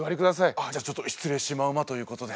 ああじゃあちょっと失礼シマウマということで。